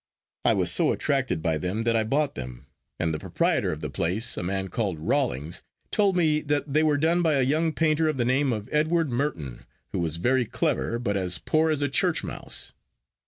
I was so attracted by them that I bought them; and the proprietor of the place, a man called Rawlings, told me that they were done by a young painter of the name of Edward Merton, who was very clever, but as poor as a church mouse.